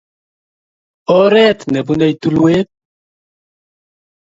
Ooret ne punei tulwet.